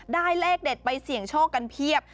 ได้เลขเด็ดไปเสี่ยงโชคกันเพียบ